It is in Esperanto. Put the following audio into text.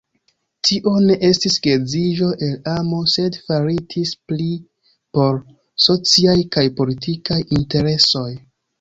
Tio ne estis geedziĝo el amo, sed faritis pli por sociaj kaj politikaj interesoj.